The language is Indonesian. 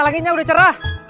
langitnya udah cerah